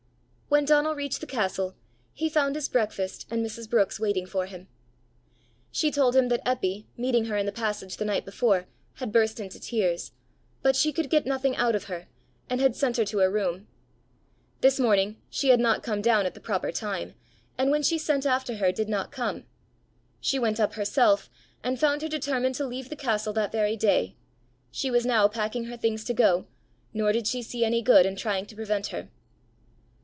When Donal reached the castle, he found his breakfast and Mrs. Brookes waiting for him. She told him that Eppy, meeting her in the passage the night before, had burst into tears, but she could get nothing out of her, and had sent her to her room; this morning she had not come down at the proper time, and when she sent after her, did not come: she went up herself, and found her determined to leave the castle that very day; she was now packing her things to go, nor did she see any good in trying to prevent her.